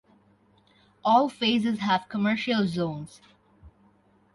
All phases have commercial zones.